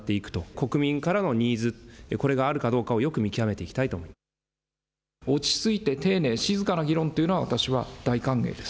国民からのニーズ、これがあるかどうかをよく見極めていきたいと落ち着いて丁寧、静かな議論というのは、私は大歓迎です。